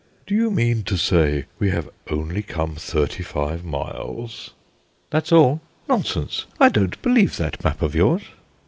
"Do you mean to say we have only come thirty five miles?" "That's all." "Nonsense. I don't believe that map of yours."